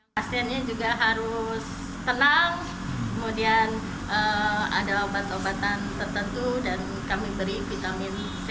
pasiennya juga harus tenang kemudian ada obat obatan tertentu dan kami beri vitamin c